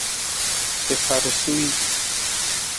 I far suwii.